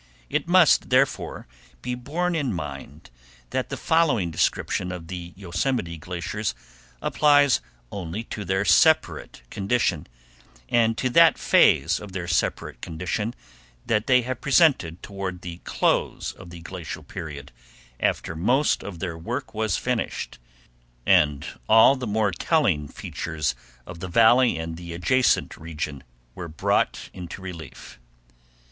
It must, therefore, be borne in mind that the following description of the Yosemite glaciers applies only to their separate condition, and to that phase of their separate condition that they presented toward the close of the glacial period after most of their work was finished, and all the more telling features of the Valley and the adjacent region were brought into relief.